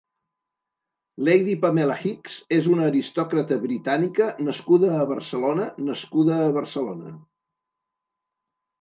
Lady Pamela Hicks és una aristòcrata britànica nascuda a Barcelona nascuda a Barcelona.